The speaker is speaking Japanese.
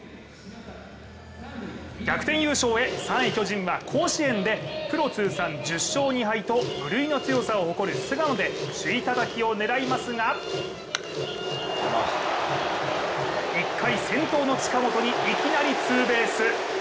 逆転優勝へ、３位・巨人は甲子園でプロ通算１０勝２敗と無類の強さを誇る菅野で首位たたきを狙いますが１回先頭の近本にいきなりツーベース。